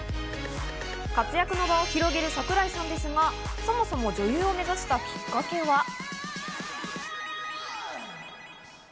活躍の場を広げる桜井さんですが、そもそも女優を目指したきっかけは？